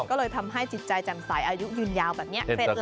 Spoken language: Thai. ก็เลยทำให้จิตใจแจ่มสายอายุยืนยาวแบบนี้เสร็จเลย